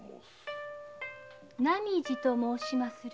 浪路と申しまする。